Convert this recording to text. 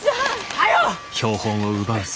早う！